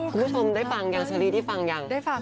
คุณผู้ชมได้ฟังยังชะลีที่ฟังยัง